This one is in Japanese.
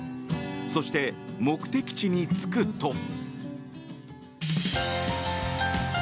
そして、目的地に着くと。